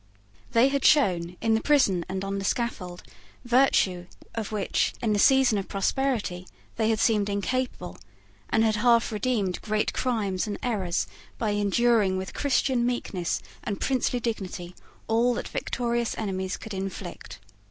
They had shown, in the prison and on the scaffold, virtue of which, in the season of prosperity, they had seemed incapable, and had half redeemed great crimes and errors by enduring with Christian meekness and princely dignity all that victorious enemies could inflict.